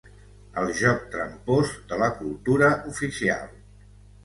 El joc trampós de la cultura oficial.